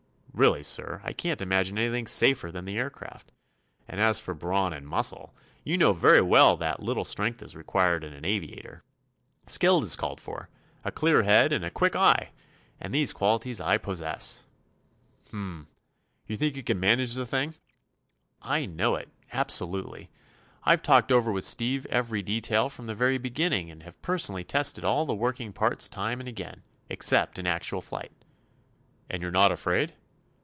Really, sir, I can't imagine anything safer than the aircraft. And as for brawn and muscle, you know very well that little strength is required in an aviator. Skill is called for; a clear head and a quick eye; and these qualities I possess." "H m. You think you can manage the thing?" "I know it—absolutely. I've talked over with Steve every detail from the very beginning, and have personally tested all the working parts time and again, except in actual flight." "And you're not afraid?"